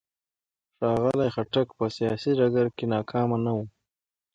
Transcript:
ښاغلي خټک په سیاسي ډګر کې ناکامه نه و.